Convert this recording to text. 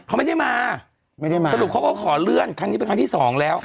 เขาไม่ได้มาสรุปเขาก็ขอเลื่อนคันที่เป็นคันที่สองแล้ว